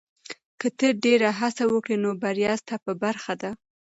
که ته ډېره هڅه وکړې، نو بریا ستا په برخه ده.